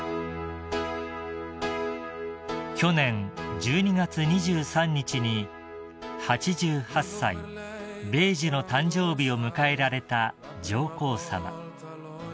［去年１２月２３日に８８歳米寿の誕生日を迎えられた上皇さま］